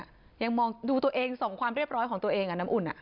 ยังมองดูตัวเองส่องความเรียบร้อยของตัวเองน้ำอุ่น